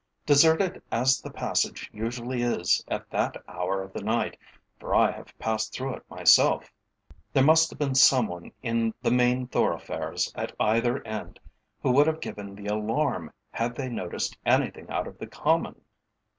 Deserted as the passage usually is at that hour of the night, for I have passed through it myself, there must have been some one in the main thoroughfares at either end who would have given the alarm had they noticed anything out of the common."